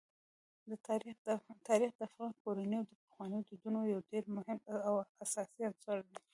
تاریخ د افغان کورنیو د پخوانیو دودونو یو ډېر مهم او اساسي عنصر دی.